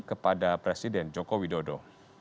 kepada presiden joko widodo